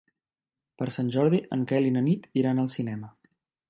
Per Sant Jordi en Quel i na Nit iran al cinema.